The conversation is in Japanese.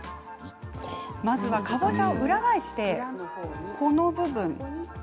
まず、かぼちゃを裏返してこの部分。